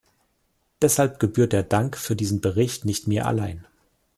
Deshalb gebührt der Dank für diesen Bericht nicht mir allein.